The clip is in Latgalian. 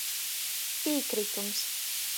Pīkrytums.